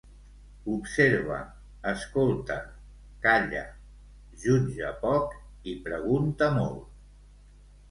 Observa, escolta, calla, jutja poc i pregunta molt.